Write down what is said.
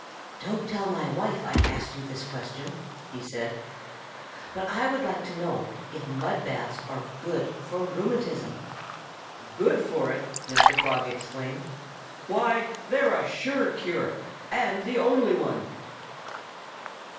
"Don't tell my wife I asked you this question," he said; "but I should like to know if mud baths are good for rheumatism." "Good for it!" Mr. Frog exclaimed. "Why, they're a sure cure and the only one!"